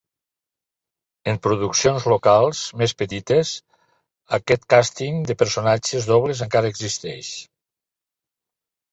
En produccions locals més petites, aquest càsting de personatges dobles encara existeix.